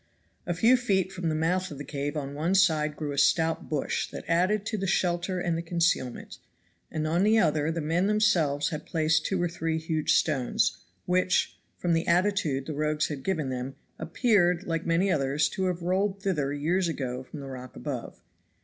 A few feet from the mouth of the cave on one side grew a stout bush that added to the shelter and the concealment, and on the other the men themselves had placed two or three huge stones, which, from the attitude the rogues had given them, appeared, like many others, to have rolled thither years ago from the rock above.